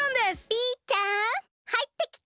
ピーちゃんはいってきて！